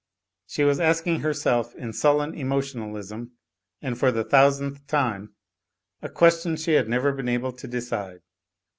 She was asking herself in sullen emotionalism, and for the thousandth time, a question she had never been able to decide.